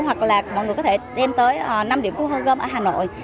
hoặc là mọi người có thể đem tới năm điểm thu hồi gom ở hà nội